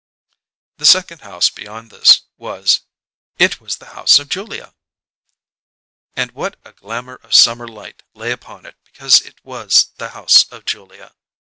The second house beyond this was it was the house of Julia! And what a glamour of summer light lay upon it because it was the house of Julia!